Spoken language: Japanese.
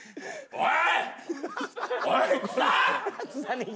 おい！